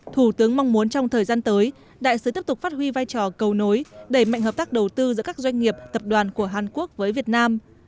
thủ tướng mong muốn trong thời gian tới đại sứ tiếp tục phát huy vai trò cầu nối đẩy mạnh hợp tác đầu tư giữa các doanh nghiệp tập đoàn của hàn quốc với việt nam